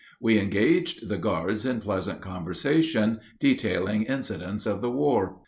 We engaged the guards in pleasant conversation, detailing incidents of the war.